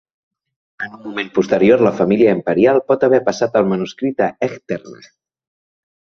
En un moment posterior la família imperial pot haver passat el manuscrit a Echternach.